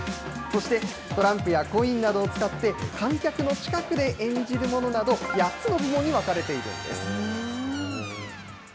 そしてトランプやコインなども使って、観客の近くで演じるものなど、８つの部門に分かれているんです。